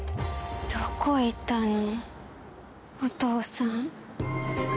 どこ行ったのお父さん。